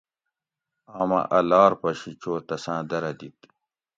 آمہ اَ لار پشی چو تساں درہ دِت